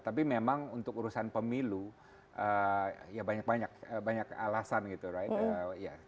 tapi memang untuk urusan pemilu ya banyak banyak alasan gitu right